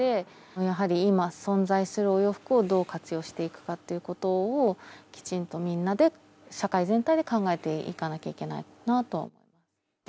やはり今、存在するお洋服をどう活用していくかっていうことを、きちんとみんなで、社会全体で考えていかなければいけないかなと。